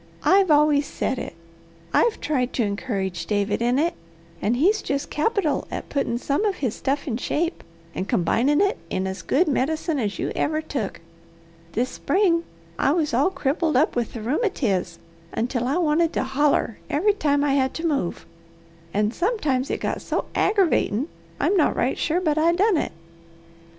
"I've always said it! I've tried to encourage David in it. And he's just capital at puttin' some of his stuff in shape, and combinin' it in as good medicine as you ever took. This spring I was all crippled up with the rheumatiz until I wanted to holler every time I had to move, and sometimes it got so aggravatin' I'm not right sure but I done it.